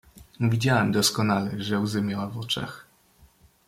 "Widziałem doskonale, że łzy miała w oczach."